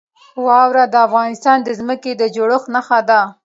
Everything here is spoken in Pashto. واوره د افغانستان د ځمکې د جوړښت نښه ده.